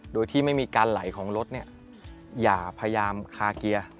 โดยที่ไม่มีการไหลของรถอย่าพยายามคาเกียร์